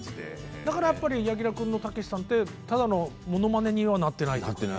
柳楽君のたけしさんはただのものまねにはなっていない。